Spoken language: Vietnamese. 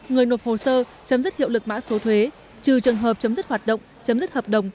người nộp hồ sơ chấm dứt hiệu lực mã số thuế trừ trường hợp chấm dứt hoạt động chấm dứt hợp đồng